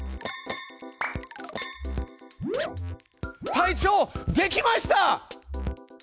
隊長できました！